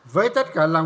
với tất cả lòng